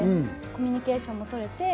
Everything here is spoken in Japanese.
コミュニケーションもとれて。